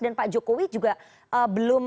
dan pak jokowi juga belum